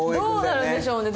どうなるんでしょうね？